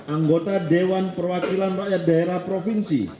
anggota dewan perwakilan rakyat daerah provinsi